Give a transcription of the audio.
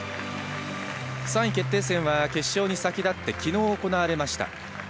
３位決定戦は決勝に先立って昨日、行われました。